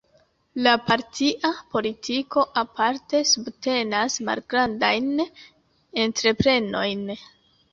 La partia politiko aparte subtenas malgrandajn entreprenojn.